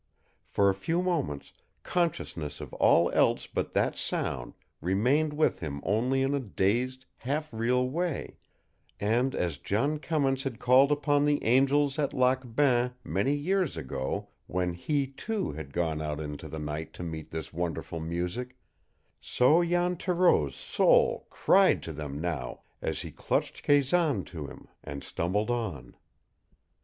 For a few moments consciousness of all else but that sound remained with him only in a dazed, half real way, and as John Cummins had called upon the angels at Lac Bain many years ago when he, too, had gone out into the night to meet this wonderful music, so Jan Thoreau's soul cried to them now as he clutched Kazan to him, and stumbled on.